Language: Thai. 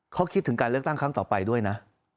เขาคิดถึงการเลือกตั้งครั้งต่อไปด้วยนะ